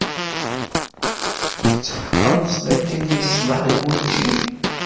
Tetḥeqqemt dakken yeṣleḥ i wučči?